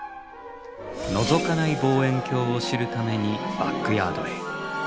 のぞかない望遠鏡を知るためにバックヤードへ。